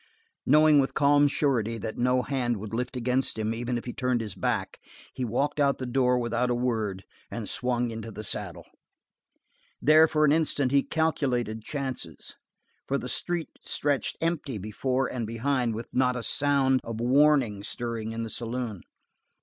Knowing with calm surety that no hand would lift against him even if he turned his back, he walked out the door without a word and swung into the saddle. There, for an instant, he calculated chances, for the street stretched empty before and behind with not a sound of warning stirring in the saloon.